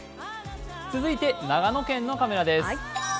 続いて長野県のカメラです。